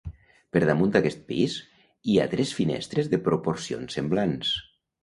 Per damunt d'aquest pis hi ha tres finestres de proporcions semblants.